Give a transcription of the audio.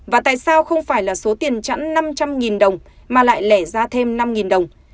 và tại sao không phải là số tiền chẵn năm trăm linh đồng mà lại lẻ ra thêm năm đồng